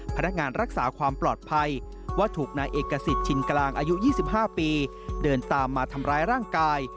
พนักงานรักษาความปลอดภัยว่าถูกนายเอกสิทธิ์ชินกลางอายุ๒๕ปีเดินตามมาทำร้ายร่างกาย